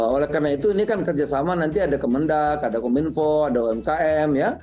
oleh karena itu ini kan kerjasama nanti ada kemendak ada kominfo ada umkm ya